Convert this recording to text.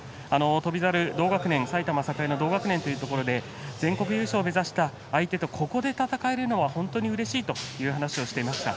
翔猿、同学年埼玉栄の同学年ということで全国優勝を目指した相手とここで戦えるのは本当にうれしいという話をしていました。